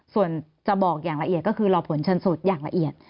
ส่วนจะบอกอย่างละเอียดก็คือรอผลชนสูตรอย่างละเอียด